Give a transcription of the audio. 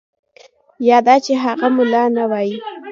یا دا چې هغه ملا نه وای.